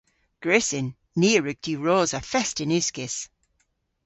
Gwrussyn. Ni a wrug diwrosa fest yn uskis.